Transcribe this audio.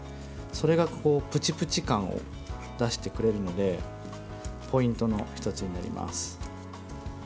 それがプチプチ感を出してくれるのでポイントの１つになります。